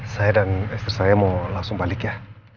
saya dan istri saya mau langsung balik ya